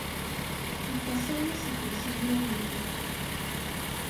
Aṭas aya seg wasmi ur nemlal.